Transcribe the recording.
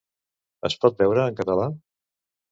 Es pot veure en català?